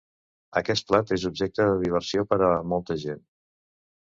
Aquest plat és objecte de diversió per a molta gent.